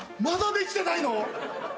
まだできてないの！？